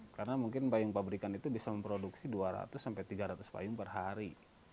karena mungkin payung pabrikan itu bisa memproduksi dua ratus sampai tiga ratus payung per hari